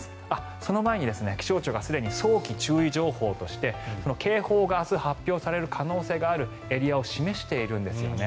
その前に、気象庁がすでに早期注意情報として警報が明日発表される可能性があるエリアを示しているんですよね。